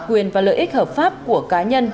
quyền và lợi ích hợp pháp của cá nhân